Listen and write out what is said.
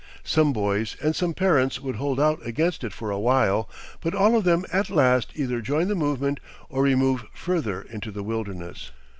Some boys and some parents would hold out against it for a while, but all of them at last either join the movement or remove further into the wilderness.